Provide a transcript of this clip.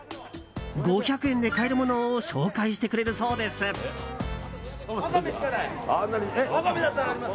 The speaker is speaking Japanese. ５００円で買えるものを紹介してくれるそうです。